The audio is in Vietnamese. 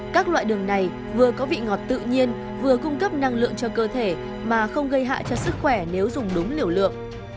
các loại đường này vừa có vị ngọt tự nhiên vừa cung cấp năng lượng cho cơ thể mà không gây hại cho sức khỏe nếu dùng đúng liều lượng